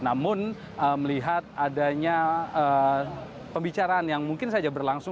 namun melihat adanya pembicaraan yang mungkin saja berlangsung